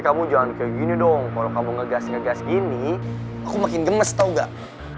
kamu jangan kayak gini dong kalau kamu ngegas ngegas gini aku makin gemes tau gak